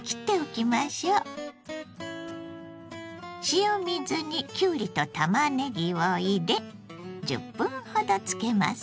塩水にきゅうりとたまねぎを入れ１０分ほどつけます。